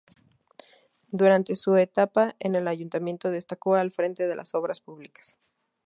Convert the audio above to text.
Durante su etapa en el Ayuntamiento destacó al frente de las obras públicas.